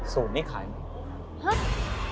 สูตรนี้ขายหมด